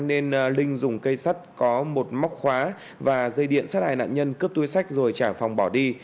nên linh dùng cây sắt có một móc khóa và dây điện sát hại nạn nhân cướp túi sách rồi trả phòng bỏ đi